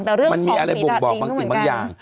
แต่เรื่องของฝีดาตรีมันเหมือนกัน